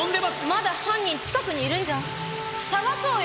まだ犯人近くにいるんじゃ探そうよ。